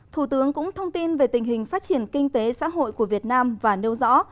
thủ tướng cũng thông tin về tình hình phát triển kinh tế xã hội của việt nam và nêu rõ